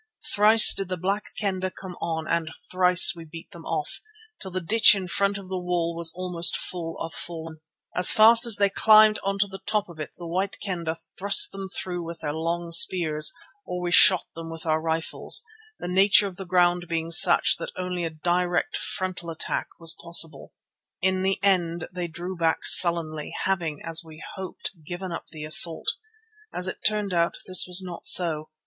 Thrice did the Black Kendah come on and thrice we beat them off, till the ditch in front of the wall was almost full of fallen. As fast as they climbed to the top of it the White Kendah thrust them through with their long spears, or we shot them with our rifles, the nature of the ground being such that only a direct frontal attack was possible. In the end they drew back sullenly, having, as we hoped, given up the assault. As it turned out, this was not so.